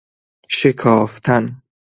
شکافتن